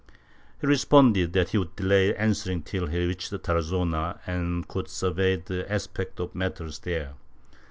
He responded that he would delay answering till he reached Tarazona and could survey the aspect of matters there.